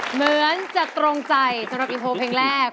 เหมือนจะตรงใจสำหรับอินโทรเพลงแรก